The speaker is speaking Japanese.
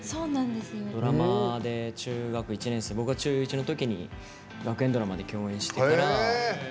ドラマで僕が中学１年生のときに学園ドラマで共演してから。